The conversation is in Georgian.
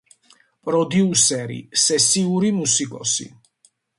პროდიუსერი, სესიური მუსიკოსი.